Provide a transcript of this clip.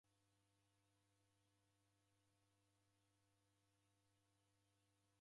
Mafundisho gha w'eke w'aw'a